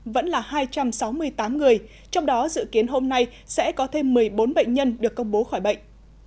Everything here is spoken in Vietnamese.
vẫn là hai trăm sáu mươi tám người trong đó dự kiến hôm nay sẽ có thêm một mươi bốn bệnh nhân được công bố khỏi bệnh